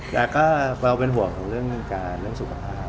แต่ก็เราเป็นห่วงของเรื่องการสุขภาพนะครับ